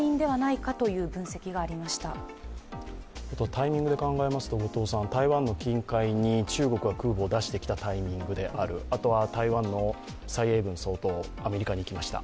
タイミングで考えますと、台湾の近海に中国が空母を出してきたタイミングである、あとは、台湾の蔡英文総統、アメリカに行きました。